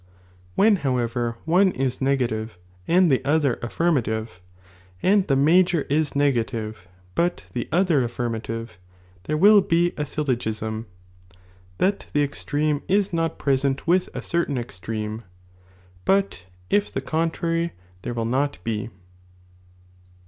When however one is negative ">o maior and the other affirmative, and the major is nega bepeKui°i dvo btic the other affirmative, there will be a syl a^j^"'""' iogUm, that the extreme is not present with a certain extreme, but if the contrary there will not be.